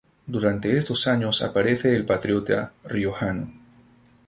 Durante estos años aparece El Patriota Riojano.